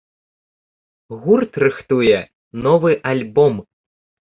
Гурт рыхтуе новы альбом.